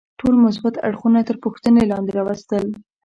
ټول مثبت اړخونه تر پوښتنې لاندې راوستل.